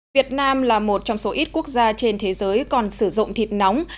việt nam là một trong số ít quốc gia trên thế giới còn sử dụng thịt nóng